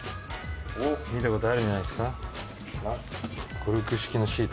見たことあるんじゃないですか？